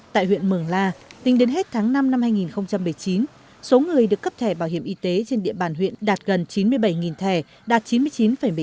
tại huyện mường la tính đến hết tháng năm năm hai nghìn một mươi chín số người được cấp thẻ bảo hiểm y tế trên địa bàn huyện đạt gần chín mươi bảy thẻ đạt chín mươi chín một mươi tám